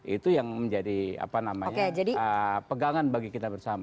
itu yang menjadi apa namanya pegangan bagi kita bersama